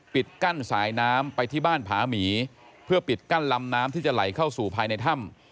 ปิดกั้นสายน้ำไปที่บ้านผาหมีเพื่อปิดกั้นลำน้ำที่จะไหลเข้าสู่ภายในถ้ำ